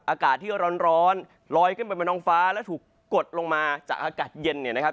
อากาศที่ร้อนลอยขึ้นไปบนท้องฟ้าแล้วถูกกดลงมาจากอากาศเย็นเนี่ยนะครับ